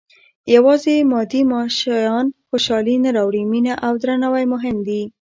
• یوازې مادي شیان خوشالي نه راوړي، مینه او درناوی مهم دي.